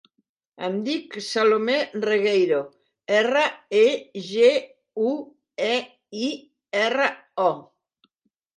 Em dic Salomé Regueiro: erra, e, ge, u, e, i, erra, o.